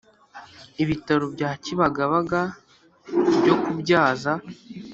ibitaro bya Kibagabaga byo kubyaza